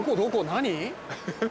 何？